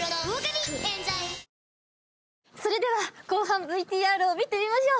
それでは後半ＶＴＲを見てみましょう。